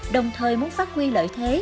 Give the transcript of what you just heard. đồng thời muốn phát huy lợi thế